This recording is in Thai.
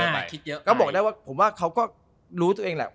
แล้วก็ผมบอกได้ว่าเขาก็รู้ตัวเองแหละ